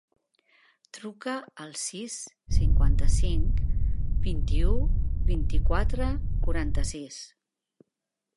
Truca al sis, cinquanta-cinc, vint-i-u, vint-i-quatre, quaranta-sis.